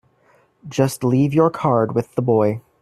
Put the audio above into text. Just leave your card with the boy.